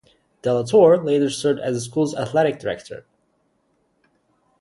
DellaTorre later served as the schools athletic director.